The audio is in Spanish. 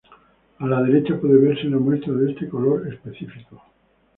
A la derecha puede verse una muestra de este color específico.